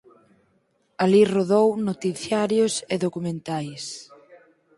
Alí rodou noticiarios e documentais.